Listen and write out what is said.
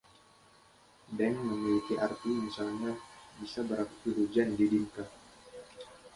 Deng memiliki berbagai arti; misalnya, bisa berarti “Hujan” di Dinka.